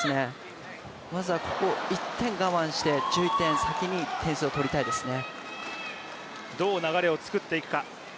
まずはここ、１点我慢して１１点、先に点数取りたいですね。